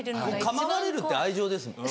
構われるって愛情ですもん。